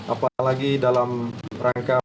apalagi dalam rangka